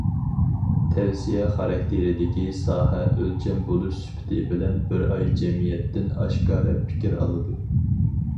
تەۋسىيە خاراكتېرىدىكى ساھە ئۆلچەم بولۇش سۈپىتى بىلەن، بىر ئاي جەمئىيەتتىن ئاشكارا پىكىر ئالىدۇ.